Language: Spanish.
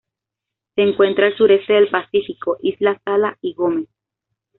Se encuentra al sureste del Pacífico: isla Sala y Gómez.